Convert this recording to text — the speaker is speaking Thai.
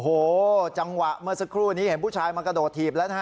โอ้โหจังหวะเมื่อสักครู่นี้เห็นผู้ชายมากระโดดถีบแล้วนะฮะ